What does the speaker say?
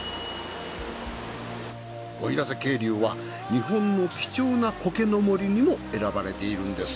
奥入瀬渓流は「日本の貴重なコケの森」にも選ばれているんです。